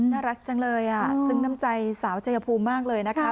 น่ารักจังเลยอ่ะซึ้งน้ำใจสาวชายภูมิมากเลยนะคะ